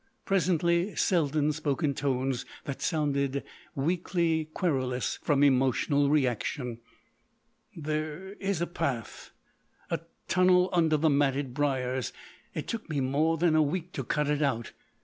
Presently Selden spoke in tones that sounded weakly querulous from emotional reaction: "There is a path—a tunnel under the matted briers. It took me more than a week to cut it out.